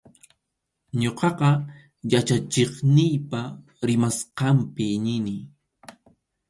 Ñuqaqa yachachiqniypa rimasqanpi iñini.